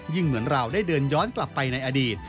เหมือนเราได้เดินย้อนกลับไปในอดีต